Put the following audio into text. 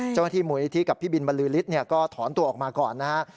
เจ้าหน้าที่มูลนิธิกับพี่บินบรรลือฤทธิ์ก็ถอนตัวออกมาก่อนนะฮะ